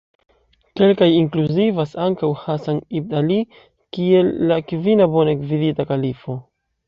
Kelkaj inkluzivas ankaŭ Hasan ibn Ali kiel la kvina bone gvidita kalifo.